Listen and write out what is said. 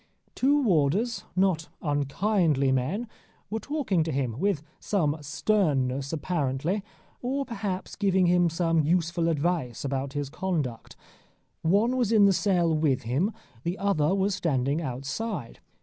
Two warders, not unkindly men, were talking to him, with some sternness apparently, or perhaps giving him some useful advice about his conduct. One was in the cell with him, the other was standing outside.